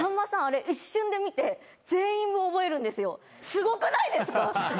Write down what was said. すごくないですか？